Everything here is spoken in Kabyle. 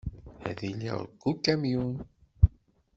Ad iliɣ deg ukamyun.